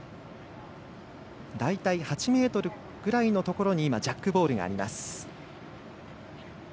大体８ｍぐらいのところにジャックボールがあります。